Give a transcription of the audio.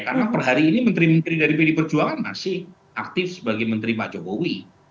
karena perhari ini menteri menteri dari pdi perjuangan masih aktif sebagai menteri pak jokowi